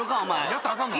やったアカンのか？